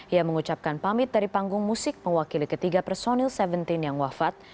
ia mengucapkan pamit dari panggung musik mewakili ketiga personil tujuh belas yang wafat